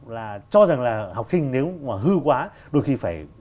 là cho rằng là học sinh nếu mà hư quá đôi khi phải